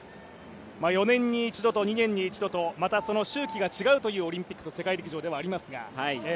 ４年に一度と２年に一度とまた周期が違うというオリンピックと世界陸上ではありますが。